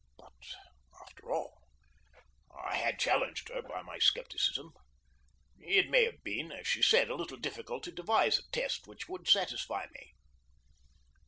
But, after all, I had challenged her by my scepticism. It may have been, as she said, a little difficult to devise a test which would satisfy me.